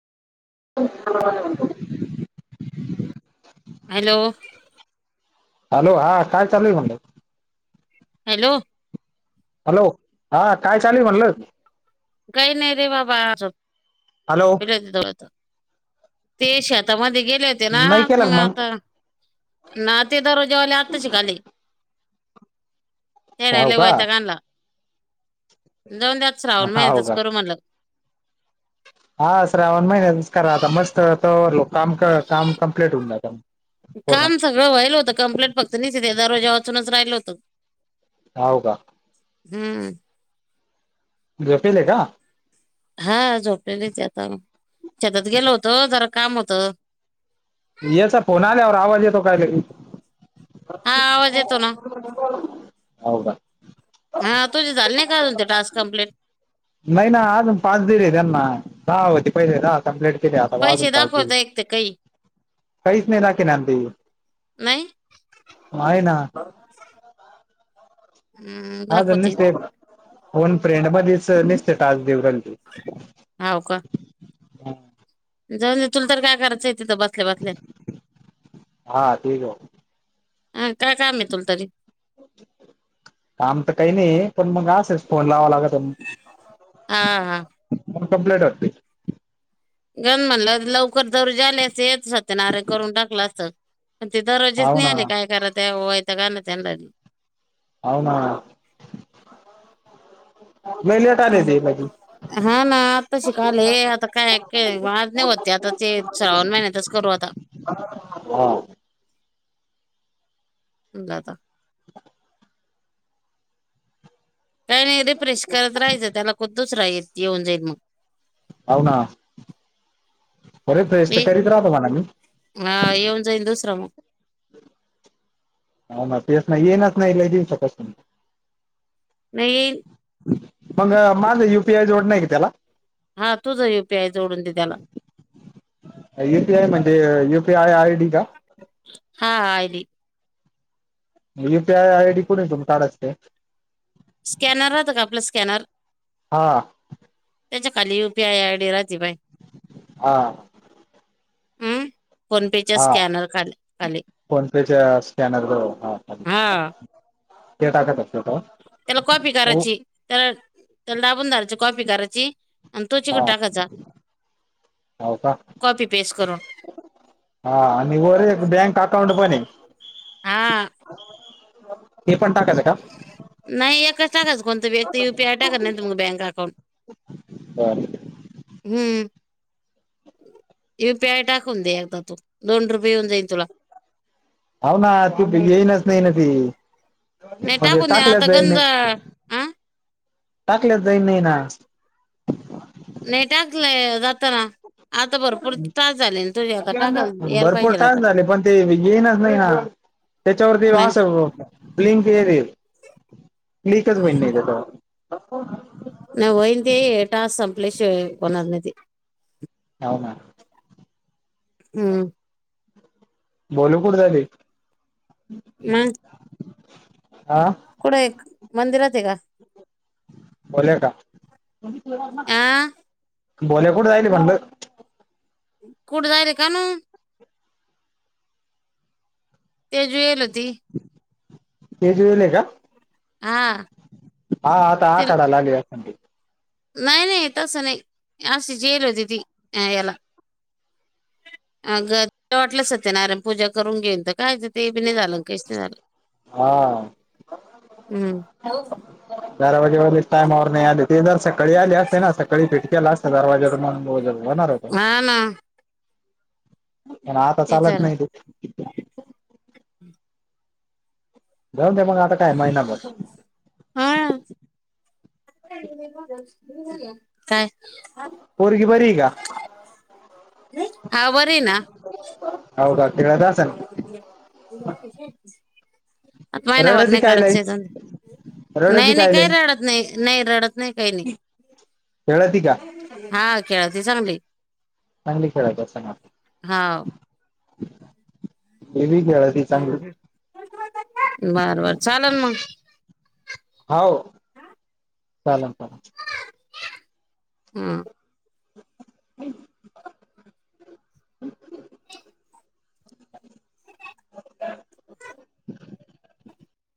[unintelligible] Hello hello हा काय चालूय म्हणला? हॅलो हॅलो हा काय चालू आहे म्हणलं? काही हॅलो [unintelligible] जाऊं आता ते शेतामध्ये गेले होते ना नाही केला का मग आता नाते दररोजावाले आत्ता शिकाली त्या नाहीले वयता का आणला जाऊन दे श्रावण हाव महिनतच का करू म्हणलं. हा श्रावण महिनातंच करा आता मस्त तरलो काम करा काम कम्प्लीट होऊन जाता. काम सगळं व्हायल होतं कंप्लीट फक्त निचित दरवाजा वाचूनच राहिल होतं. हाव का? हम्म. झोपलेला का? हा झोपलेलीच आता शेतात गेलं होत जरा काम होतं. याचा फोन आल्यावर आवाज येतो काय लगेच? हा आवाज येतो ना हाव का? हा तुझे झाले नाही का अजून ते टास्क कम्प्लीट? नाही ना अजून पाच दिले त्यांना दहा होते पहिले दहा कंप्लीट केले आता अजून पैसे पाच दिले दाखवता एक ते काही काहीस नाय. [unintelligible] नाही होय ना. हम्म, हा गं दाखवते निसते फोन फ्रेंड मध्येच निसते टास्क देऊ राहील ते. हाव का? जाऊन दे तुला तर काय करायचंय तिथं बसल्या-बसल्या हा ते आं काय काम आहे तुला तरी? काम तर काही नाही पण मग असच फोन लावा लागत. हा हा कं कंप्लीट होते. गण म्हणलं लवकर दरवजाले असते सत्यनाराय करून टाकलं असतं. ते दरवेजीच हाव नाही ना आली काय करात्यां वयताक आले त्यांनाला बी. हाव ना. हम्म. का. [unintelligible] हा ना आता शिकाले आता काय काय वाद नाही होते आता ते श्रावण महिन्यातच करू आता. हा. ला आता काही नाही रिफ्रेश करत राहाचं त्याला खूप दुसरा येत येऊन जाईल मग. हाव ना [unintelligible] करीत राह तुम्हाला मी. आं येऊन जाईन दुसरं मग. हाव ना पेस ना येईन. [unintelligible] नाही मग माझं यु पी आय जोडणं आहे क त्याला? हा तुझं यु पी आय जोडून दे त्याला. यु पी आय म्हणजे U P I I D का? हा हा I D. U P I I D कुडतून काढाच ते. स्कॅनर राहतं का आपलं स्कॅनर? हा त्याच्या खाली U P I I D राहते बाय. आ हम्म फोन पेच्या हा स्कॅनर खाले खाली. फोन पेच्या स्कॅनरवर हा खाली हा ते टाकत असते का? त्याला कॉपी हो करायची त्याला त्याला दाबून धारायची कॉपी करायची आणि तो चिकड हा टाकायचा हाव का कॉपी पेस्ट करून. हा आणि वर एक बँक अकाउंट पण आहे. हा हे पण टाकायचं का? नाही एकच टाकायचा कोणतं बी एक ती यु पी आय टाकत नाहीत मग बँक अकाउंट. बरं हम्म. यू पी आय टाकुन दे एकदा तू दोन रुपये येऊन जाईन तुला. हाव ना कुठं येईनच नाही ना ती नाही म्हणजे टाकून दे ना, टाकल्याच आता जाई गंज नाही. हा टाकल्यात जाईन नाही ना. नाही टाकलंय जाताना. आता भरपूर त्रास झाले ना तुझे आता टाकायला यायला भरपूर पाहिजे ना आता टाइम झाले पण ते येईनच नाही ना. त्याच्यावरती नाही वासग होतं. प्लिंक हे रे क्लीकच होई नाही गं तवा. नाही होईल ते टास्क संपले शिवाय होणार नाय ते. हाव ना. हम्म. बोलू कुड राहले हा. कुडे एक मंदिरात आहे का? झालं का? आ बोले कुठं राहिले म्हणलं? कुठे जायले कानू? तेजु येल होती. तेजु वेले का हा हा आता ते आता जाय लागली आहे. नाही नाही तसं नाही अशी जेली होती याला. अगं वाटलं सत्यनारायण पूजा करून घेऊन तर काय ते बि नाही झालं काहीच नाही झालं हम्म. [unintelligible] दारवाजेवर टाइमेवर नाही आले ते जर सकाळी आली असते ना सकाळी पिटकेला असं दारवाजेून म्हणून. [unintelligible] हा ना. पण आता चालत नाही तू. हम् जाऊन दे मग आता काय महिनाभर आं काय पोरगी बरी आहे का नाही हाव का खेळत असन. [inaudible] आत महिनाभर रडती नाही काय लई करायचे जाऊन दे नाही रडती नाही काय लई रडत नाही नाही रडत नाही काही खेळती का नाही हा खेळते चांगली. चांगली खेळत असन ना हा गेली काय? ते चांगलं बरं बर चालेल मग. चालेल चालेल. हां [inaudible]